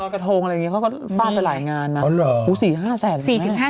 เขาก็บ้านไปหลายงานนะ